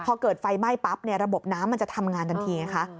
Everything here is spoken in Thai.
พอเกิดไฟไหม้ปั๊บระบบน้ำมันจะทำงานทันทีไงคะ